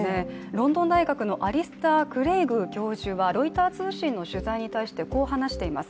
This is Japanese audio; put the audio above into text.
ロンドン大学のアリスター・グレイグ教授はロイター通信の取材に対してこう話しています